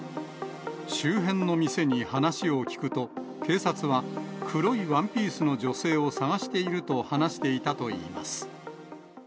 周辺の店に話を聞くと、警察は、黒いワンピースの女性を捜していると話していたといいます。